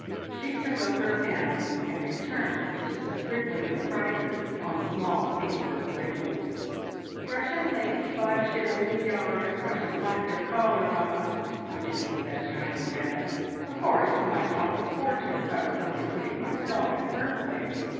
She took up her pen and returned to the scribbling of prices on small paper labels. "Russian lace, five shillings a yard. Russian lacquer collar box. Don't you hate that shiny red? Of course, when I talked of fortunes I was only putting myself in her place.